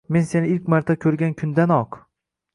Men seni ilk marta ko’rgan kundanoq